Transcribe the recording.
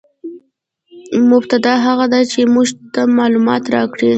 مبتداء هغه ده، چي موږ ته معلومات راکوي.